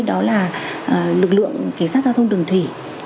đó là lực lượng cảnh sát giao thông đường thủy